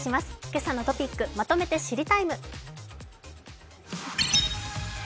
「けさのトピックまとめて知りＴＩＭＥ，」